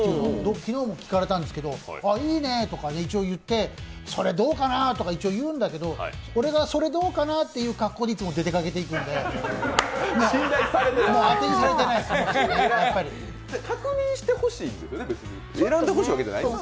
昨日も聞かれたんですけど、「いいね」とか一応、言って「それ、どうかな」とか一応言うんだけど、俺がそれどうかなという格好でいつも出ていくんで当てにされてないですね、やっぱり確認してほしいですよね、選んでほしいわけでなく。